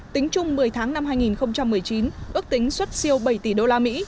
tính chung một mươi tháng năm hai nghìn một mươi chín ước tính xuất siêu bảy tỷ đô la mỹ